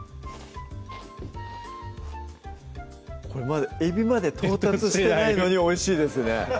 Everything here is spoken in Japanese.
まだえびまで到達してないのにおいしいですね